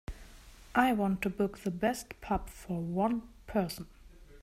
I want to book the best pub for one person.